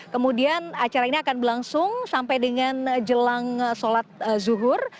kemudian acara ini akan berlangsung sampai dengan jelang sholat zuhur